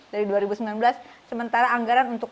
dari dua ribu sembilan belas sementara anggaran untuk